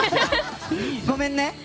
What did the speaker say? ごめんね。